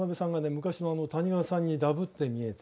昔の谷川さんにダブって見えて。